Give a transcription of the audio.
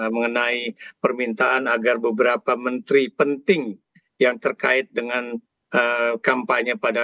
mengenai permintaan agar beberapa menteri penting yang terkait dengan kampanye pada